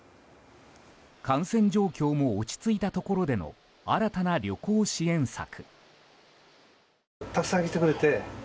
感染状況も落ち着いたところでの新たな旅行支援策。